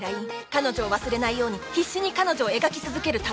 彼女を忘れないように必死に彼女を描き続ける民生。